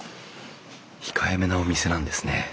控えめなお店なんですね。